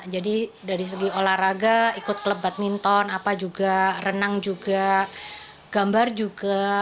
jadi dari segi olahraga ikut klub badminton apa juga renang juga gambar juga